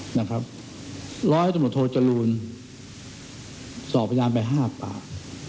หลักฐานร้อยโดรทโทจรูลสอบพยานไป๕ปาก